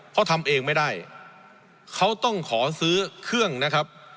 เพราะทำเองไม่ได้เขาต้องขอซื้อเครื่องนะครับ